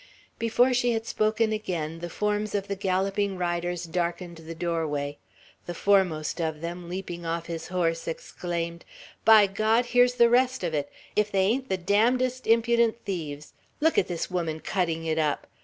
Before she had spoken again, the forms of the galloping riders darkened the doorway; the foremost of them, leaping off his horse, exclaimed: "By God! here's the rest of it. If they ain't the damnedest impudent thieves! Look at this woman, cutting it up!